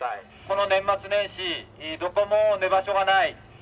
この年末年始どこも寝場所がない。